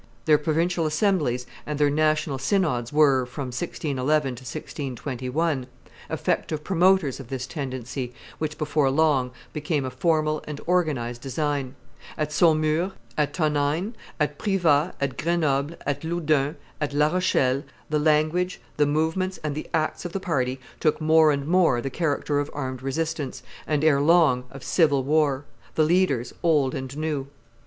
Their provincial assemblies and their national synods were, from 1611 to 1621, effective promoters of this tendency, which before long became a formal and organized design; at Saumur, at Tonneins, at Privas, at Grenoble, at Loudun, at La Rochelle, the language, the movements, and the acts of the party took more and more the character of armed resistance, and, ere long, of civil war; the leaders, old and new.